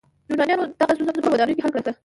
یونانیانو دغه ستونزه په خپلو ودانیو کې حل کړه.